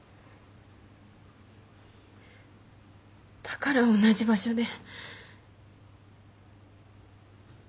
だから同じ場所で。